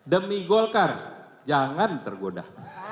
demi golkar jangan tergoda